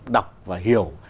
đọc và hiểu